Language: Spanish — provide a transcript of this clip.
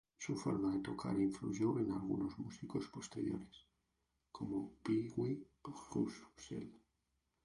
Su forma de tocar influyó en algunos músicos posteriores, como Pee Wee Russell.